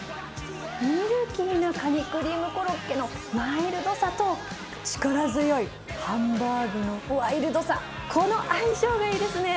ミルキーなカニクリームコロッケのマイルドさと、力強いハンバーグのワイルドさ、この相性がいいですね。